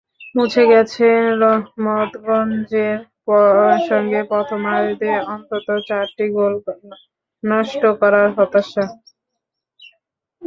মুছে গেছে রহমতগঞ্জের সঙ্গে প্রথমার্ধে অন্তত চারটি গোল নষ্ট করার হতাশা।